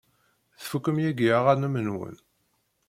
Tfukem yagi aɣanen-nwen?